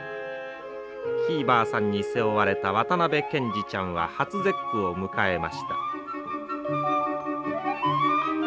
ひいばあさんに背負われた渡部けんじちゃんは初節句を迎えました。